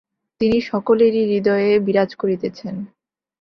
তিনি সকলেরই হৃদয়ে বিরাজ করিতেছেন।